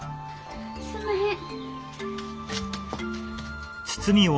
すんまへん。